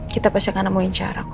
kita pasti akan nemuin jarak